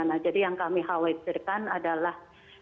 nah jadi yang kami khawatirkan adalah